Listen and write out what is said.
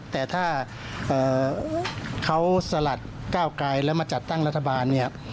แต่ถ้าเขาสลัดก้าวไกลแล้วมาจัดตั้งรัฐบาลเนี่ย